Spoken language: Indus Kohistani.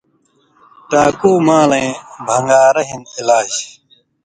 ٹاکُو مالَیں بھݩگارہ ہِن علاج